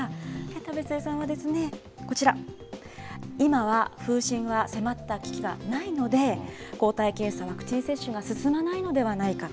為末さんはこちら、今は風疹は迫った危機がないので、抗体検査、ワクチン接種が進まないのではないか。